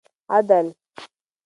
عدل